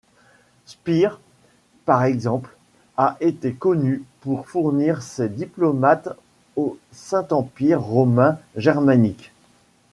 Spire, par exemple, a été connue pour fournir ses diplomates au Saint-Empire romain germanique.